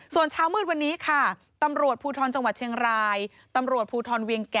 ส่วนเช้าหมืดวันนี้ค่ะตำรวจภูทรจังหวัดเชียงราย